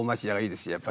やっぱし。